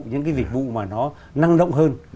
những cái dịch vụ mà nó năng động hơn